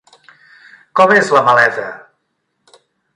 Com és la maleta?